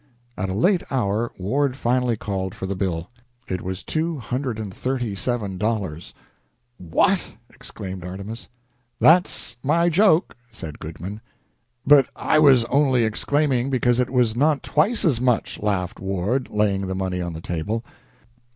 At a late hour Ward finally called for the bill. It was two hundred and thirty seven dollars. "What!" exclaimed Artemus. "That's my joke," said Goodman. "But I was only exclaiming because it was not twice as much," laughed Ward, laying the money on the table.